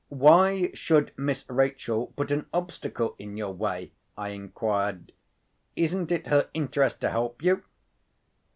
"Why should Miss Rachel put an obstacle in your way?" I inquired. "Isn't it her interest to help you?"